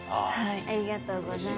ありがとうございます。